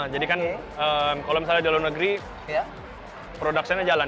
jadi kan kalau misalnya di luar negeri production nya jalan